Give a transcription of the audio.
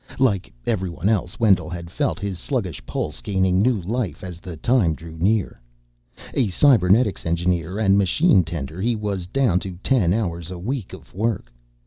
Like everyone else, Wendell had felt his sluggish pulse gaining new life as the time drew nearer. A cybernetics engineer and machine tender, he was down to ten hours a week of work.